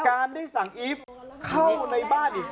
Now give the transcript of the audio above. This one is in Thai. การได้สั่งอีฟเข้าในบ้านอีก